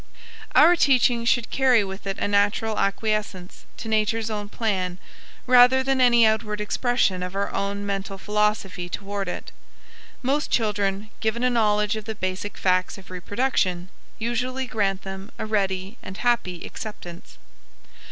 Our teaching should carry with it a natural acquiescence to Nature's own plan, rather than any outward expression of our own mental philosophy toward it. Most children, given a knowledge of the basic facts of reproduction, usually grant them a ready and happy acceptance.